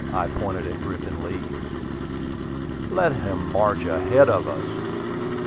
I pointed at Griffin Leeds. "Let him march ahead of us."